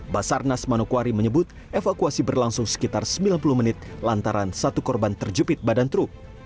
basarnas manokwari menyebut evakuasi berlangsung sekitar sembilan puluh menit lantaran satu korban terjepit badan truk